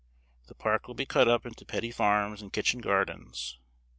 The park will be cut up into petty farms and kitchen gardens.